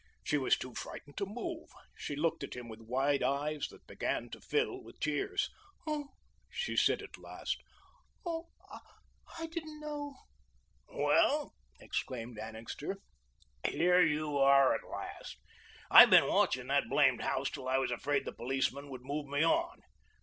She was too frightened to move. She looked at him with wide eyes that began to fill with tears. "Oh," she said, at last, "oh I didn't know." "Well," exclaimed Annixter, "here you are at last. I've been watching that blamed house till I was afraid the policeman would move me on.